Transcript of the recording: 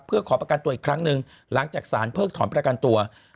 เพื่อขอประกันตัวอีกครั้งหนึ่งหลังจากสารเพิกถอนประกันตัว